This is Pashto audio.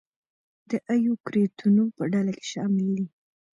د ایوکریوتونو په ډله کې شامل دي.